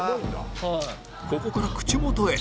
ここから口元へ